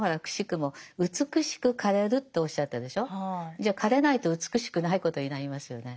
じゃあ枯れないと美しくないことになりますよね。